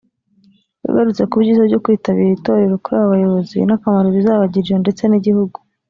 yagarutse ku byiza byo kwitabira itorero kuri aba bayobozi n’akamaro bizabagirira ndetse n’igihugu